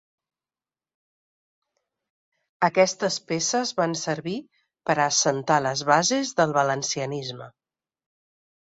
Aquestes peces van servir per a assentar les bases del valencianisme.